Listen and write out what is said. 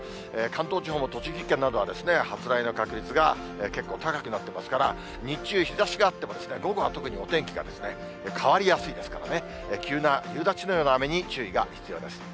関東地方も栃木県などは発雷の確率が結構高くなってますから、日中日ざしがあっても午後は特にお天気が変わりやすいですからね、急な夕立のような雨に注意が必要です。